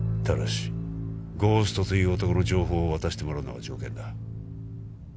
ただしゴーストという男の情報を渡してもらうのが条件だ